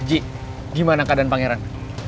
ji gimana keadaan pangeran